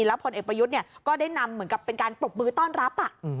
แล้วผลเอกประยุทธ์ก็ได้นำเหมือนกับเป็นการปรบมือต้อนรับ